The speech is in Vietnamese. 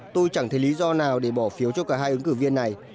tôi chẳng thấy lý do nào để bỏ phiếu cho cả hai ứng cử viên này